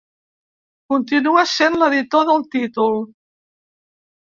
Continua sent l'editor del títol.